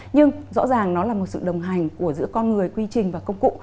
nhưng rõ ràng nó là một sự đồng hành của giữa con người quy trình và công cụ